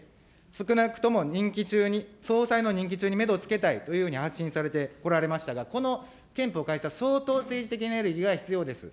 少なくとも任期中に、総裁の任期中にメドをつけたいというふうに発信されてこられましたが、この憲法改正は相当政治的なが必要です。